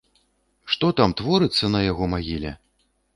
Што там творыцца на яго магіле!